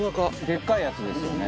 でかいやつですよね。